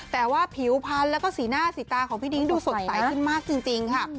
แต่ว่าผิวพันธุ์แล้วก็สีหน้าสีตาของพี่นิ้งดูสดใสขึ้นมากจริงค่ะ